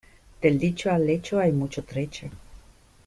Del dicho al hecho hay mucho trecho.